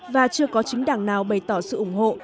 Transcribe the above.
và chưa có chính đảng nào bày tỏ sự ủng hộ